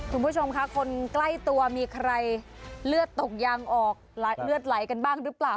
คุณผู้ชมค่ะคนใกล้ตัวมีใครเลือดตกยางออกเลือดไหลกันบ้างหรือเปล่า